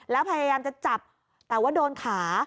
แล้วพยายามจะจับแต่ว่าโดนขา